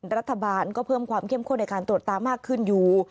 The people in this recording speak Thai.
รัฐบาลก็เพิ่มความเข้มข้นในการตรวจตามากขึ้นอยู่